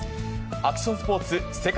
アクションスポーツ世界